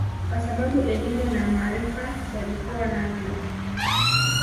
Kwa sababu elimu na maarifa walikuwa navyo